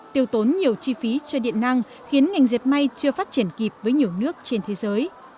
tiêu tốn nhiều chi phí cho điện năng khiến ngành dẹp may chưa phát triển kịp với nhiều nước trên thế giới